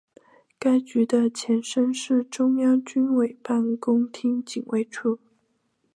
该局的前身是中央军委办公厅警卫处。